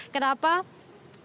kenapa kita harus memesan